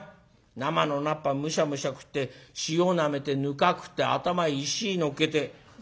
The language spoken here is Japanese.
生の菜っぱムシャムシャ食って塩なめてぬか食って頭石のっけて」。